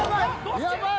やばい！